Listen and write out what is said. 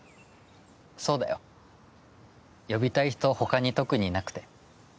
そうだよ呼びたい人他に特にいなくて。